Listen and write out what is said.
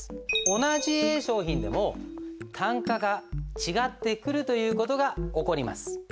同じＡ商品でも単価が違ってくるという事が起こります。